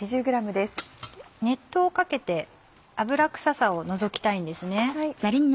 熱湯をかけて油臭さを除きたいんですね。